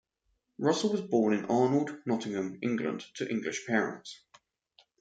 Russell was born in Arnold, Nottingham, England to English parents.